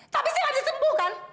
tapi saya harus sembuh kan